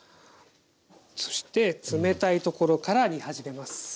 そして冷たいところから煮はじめます。